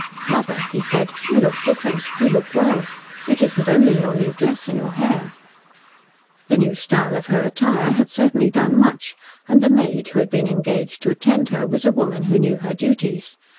"Mother," he said, "you look different. You look well. It isn't only your new dress and your hair." The new style of her attire had certainly done much, and the maid who had been engaged to attend her was a woman who knew her duties.